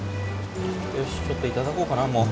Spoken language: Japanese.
よしちょっといただこうかなもう。